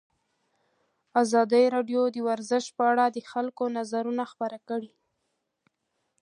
ازادي راډیو د ورزش په اړه د خلکو نظرونه خپاره کړي.